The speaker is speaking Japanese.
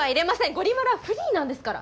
ゴリ丸はフリーなんですから。